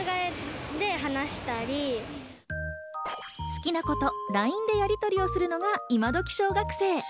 好きな子とＬＩＮＥでやりとりするのがイマドキ小学生。